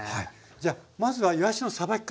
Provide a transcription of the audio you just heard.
じゃあまずはいわしのさばき方。